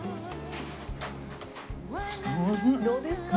どうですか？